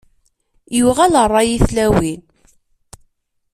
Yuɣal rray i tlawin.